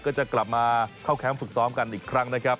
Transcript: ก็จะกลับมาเข้าแคมป์ฝึกซ้อมกันอีกครั้งนะครับ